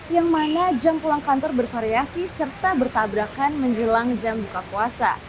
yang mana jam pulang kantor bervariasi serta bertabrakan menjelang jam buka puasa